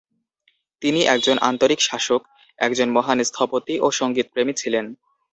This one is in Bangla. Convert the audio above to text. তিনি একজন আন্তরিক শাসক, একজন মহান স্থপতি ও সঙ্গীতপ্রেমী ছিলেন।